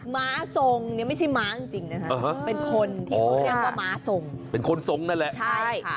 ม้าทรงเนี่ยไม่ใช่ม้างจริงนะครับเป็นคนที่เรียกว่าม้าทรงเป็นคนทรงนั่นแหละ